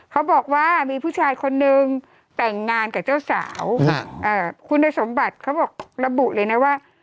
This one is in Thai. เขาบอกว่ามีผู้ชายคนนึงแต่งงานกับเจ้าสาวคุณสมบัติเขาบอกระบุเลยนะว่า